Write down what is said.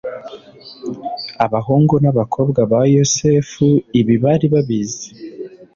Abahungu n’abakobwa ba Yosefu ibi bari babizi